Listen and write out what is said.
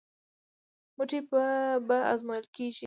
مټې به ازمویل کېږي.